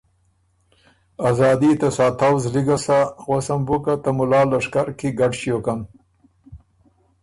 ازادي ته ساتؤ زلی ګۀ سۀ، غوسم بُو که ته مُلا لشکر کی ګډ ݭیوکن